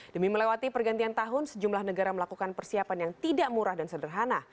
demi melewati pergantian tahun sejumlah negara melakukan persiapan yang tidak murah dan sederhana